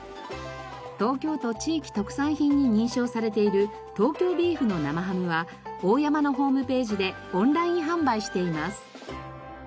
東京都地域特産品に認証されている東京ビーフの生ハムは大山のホームページでオンライン販売しています。